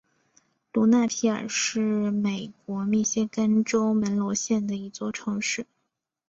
卢纳皮尔是美国密歇根州门罗县的一座城市。